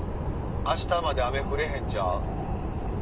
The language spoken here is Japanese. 明日まで雨降れへんちゃう？